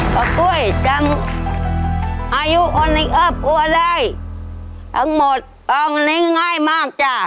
กะก้วยจำอายุอ่อนิอับอัวไดทั้งหมดต้องนิ่งง่ายมากจ้ะ